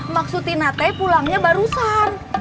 maksudinate pulangnya barusan